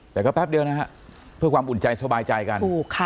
แต่ก็แป๊บเดียวนะฮะเพื่อความอุ่นใจสบายใจกัน